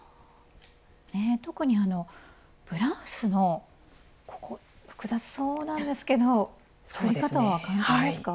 特にブラウスのここ複雑そうなんですけど作り方は簡単ですか？